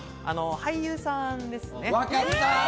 俳優さんですね。